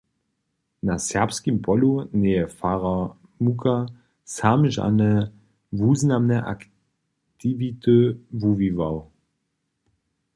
Na serbskim polu njeje farar Mucha sam žane wuznamne aktiwity wuwiwał.